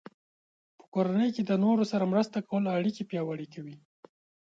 په کورنۍ کې د نورو سره مرسته کول اړیکې پیاوړې کوي.